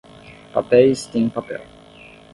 Papéis têm um papel